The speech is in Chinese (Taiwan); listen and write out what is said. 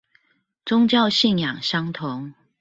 宗教信仰相同